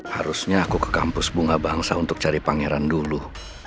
harusnya aku ke kampus bunga bangsa untuk cari pangeran dulu